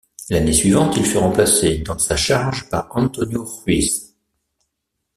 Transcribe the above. L'année suivante il fut remplacé dans sa charge par Antonio Ruiz.